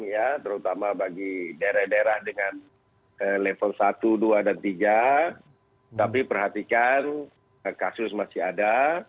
ya terutama bagi daerah daerah dengan level satu dua dan tiga tapi perhatikan kasus masih ada